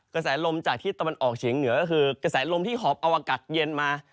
กระแสลมจากที่ตะวันออกเฉียงเหนือก็คือกระแสลมที่หอบเอาอากาศเย็นมา